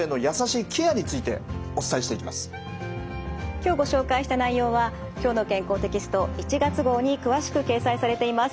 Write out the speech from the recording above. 今日ご紹介した内容は「きょうの健康」テキスト１月号に詳しく掲載されています。